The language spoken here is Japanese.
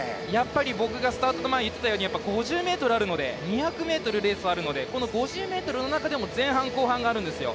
僕がスタートの前に言ってたように５０ｍあるので２００ｍレースはあるのでこの５０ｍの中でも前半、後半があるんですよ。